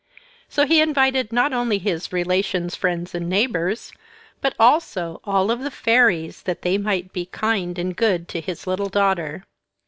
So he invited not only his relations, friends, and neighbours, but also all the fairies, that they might be kind and good to his little daughter.